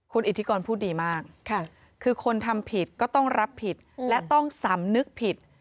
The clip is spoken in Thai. คุณอิทธิกรพูดดีมากคือคนทำผิดก็ต้องรับผิดและต้องสำนึกผิด